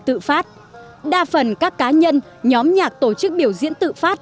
tự phát đa phần các cá nhân nhóm nhạc tổ chức biểu diễn tự phát